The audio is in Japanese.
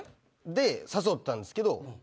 で誘ったんですけど。